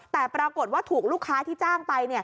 แต่ปรากฏว่าถูกลูกค้าที่จ้างไป